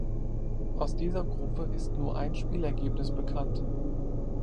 Aus dieser Gruppe ist nur ein Spielergebnis bekannt.